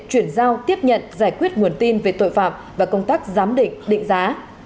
chuyển giao tiếp nhận giải quyết nguồn tin về tội phạm và công tác giám định định giá